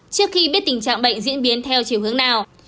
trước khi biết tình trạng bệnh diễn biến theo chiều hướng nào